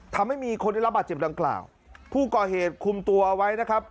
ทำให้มีคนได้รับบาดเจ็บดังกล่าวผู้ก่อเหตุคุมตัวเอาไว้นะครับ